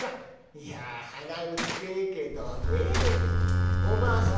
いや払うってえけどねおばあさん